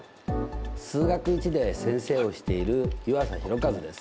「数学Ⅰ」で先生をしている湯浅弘一です。